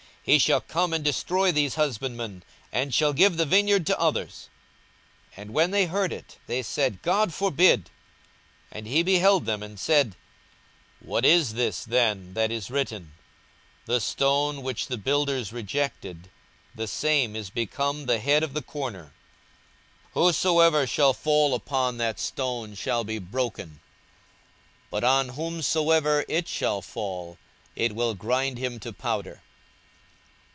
42:020:016 He shall come and destroy these husbandmen, and shall give the vineyard to others. And when they heard it, they said, God forbid. 42:020:017 And he beheld them, and said, What is this then that is written, The stone which the builders rejected, the same is become the head of the corner? 42:020:018 Whosoever shall fall upon that stone shall be broken; but on whomsoever it shall fall, it will grind him to powder.